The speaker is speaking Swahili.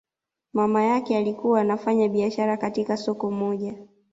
Mama yake alikuwa anafanya biashara katika soko moja